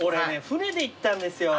船で行ったんですよ。